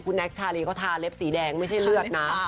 คุณแท็กชาลีเขาทาเล็บสีแดงไม่ใช่เลือดนะ